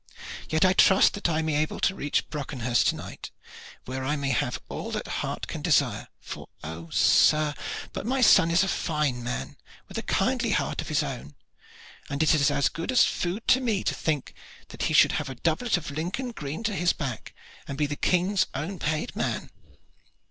Yet I trust that I may be able to reach Brockenhurst to night, where I may have all that heart can desire; for oh! sir, but my son is a fine man, with a kindly heart of his own, and it is as good as food to me to think that he should have a doublet of Lincoln green to his back and be the King's own paid man."